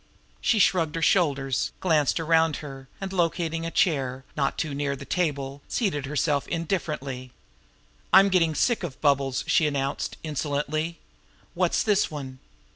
She shrugged her shoulders, glanced around her, and, locating a chair not too near the table seated herself indifferently. "I'm getting sick of bubbles!" she announced insolently. "What's this one?"